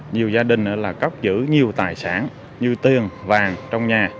nhiều gia đình cắp giữ nhiều tài sản như tiền vàng trong nhà